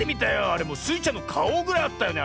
あれもうスイちゃんのかおぐらいあったよね